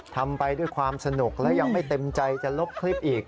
ทำไปด้วยความสนุกและยังไม่เต็มใจจะลบคลิปอีก